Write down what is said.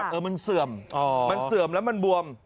เออมันเสื่อมมันเสื่อมแล้วมันบวม